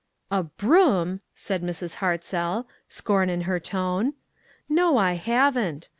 " "A broom!" said Mrs Hartzell, scorn in her tone, " no, I haven't.